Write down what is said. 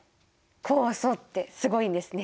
酵素ってすごいんですね。